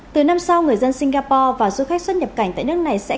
từ năm sau người dân singapore và du khách xuất nhập quốc tế